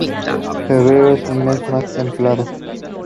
Febrero es su mes más templado.